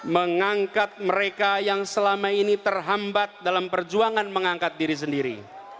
mengangkat mereka yang selama ini terhambat dalam perjuangan mengangkat diri sendiri